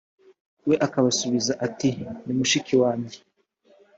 we akabasubiza ati” ni mushiki wanjye .